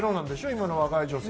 今の若い女性。